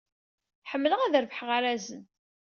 Ḥemmleɣ ad d-rebḥeɣ arrazen.